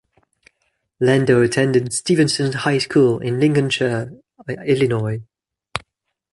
Lando attended Stevenson High School in Lincolnshire, Illinois.